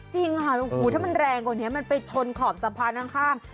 จริงค่ะโอ้โหถ้ามันแรงกว่านี้มันไปชนขอบสะพานข้าง